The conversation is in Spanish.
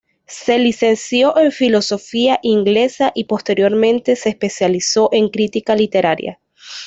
Se licenció en Filología Inglesa y posteriormente se especializó en crítica literaria.